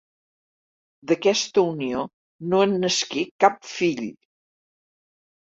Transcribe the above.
D'aquesta unió no en nasqué cap fill.